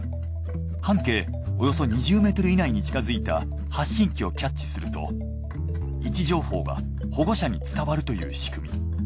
半径およそ２０ｍ以内に近づいた発信機をキャッチすると位置情報が保護者に伝わるという仕組み。